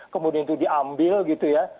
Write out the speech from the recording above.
kemudian itu diambil gitu ya